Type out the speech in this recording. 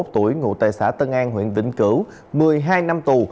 bốn mươi một tuổi ngụ tài xã tân an huyện vĩnh cửu một mươi hai năm tù